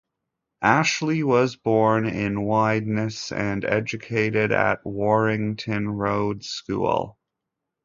Ashley was born in Widnes and educated at Warrington Road School.